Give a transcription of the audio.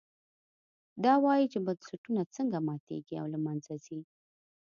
دا وایي چې بنسټونه څنګه ماتېږي او له منځه ځي.